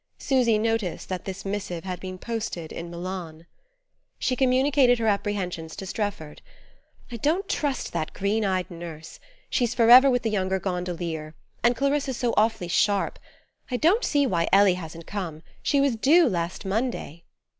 Susy noticed that this missive had been posted in Milan. She communicated her apprehensions to Strefford. "I don't trust that green eyed nurse. She's forever with the younger gondolier; and Clarissa's so awfully sharp. I don't see why Ellie hasn't come: she was due last Monday."